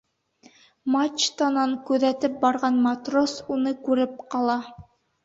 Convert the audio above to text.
Мачтанан күҙәтеп барған матрос уны күреп ҡала.